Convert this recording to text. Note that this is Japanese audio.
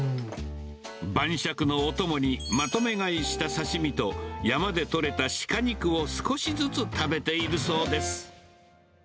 晩酌のお供にまとめ買いした刺身と、山でとれた鹿肉を少しずつ食べているそうです。